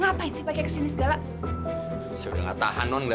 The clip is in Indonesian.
saya tidak kering kekuasaan ma